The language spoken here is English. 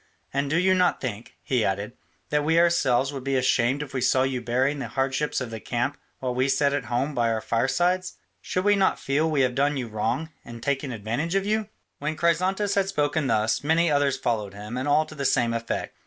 And do you not think," he added, "that we ourselves would be ashamed if we saw you bearing the hardships of the camp while we sat at home by our own firesides? Should we not feel we had done you wrong, and taken advantage of you?" When Chrysantas had spoken thus, many others followed him, and all to the same effect.